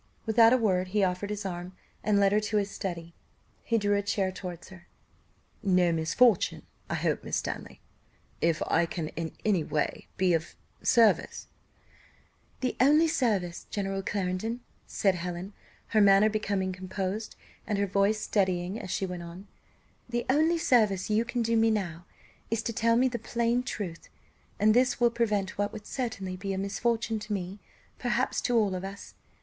Without a word, he offered his arm, and led her to his study; he drew a chair towards her "No misfortune, I hope, Miss Stanley? If I can in any way be of service " "The only service, General Clarendon," said Helen, her manner becoming composed, and her voice steadying as she went on "the only service you can do me now is to tell me the plain truth, and this will prevent what would certainly be a misfortune to me perhaps to all of us.